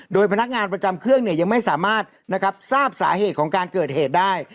โดยพนักงานประจำเครื่องยังไม่สามารถทราบสาเหตุของการเกิดเหตุได้